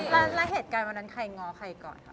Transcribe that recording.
แล้วเหตุการณ์วันนั้นใครง้อใครก่อน